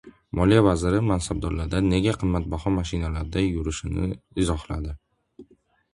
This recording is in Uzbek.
Moliya vaziri mansabdorlar nega qimmatbaho mashinalarda yurishini izohladi